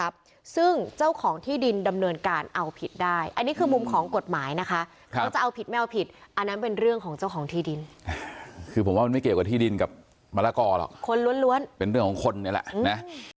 เป็นเรื่องของเจ้าของที่ดินคือผมว่ามันไม่เกี่ยวกับที่ดินกับมะละกอหรอกคนล้วนเป็นเรื่องของคนนี้แหละนะ